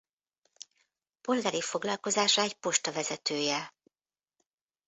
Polgári foglalkozása egy posta vezetője.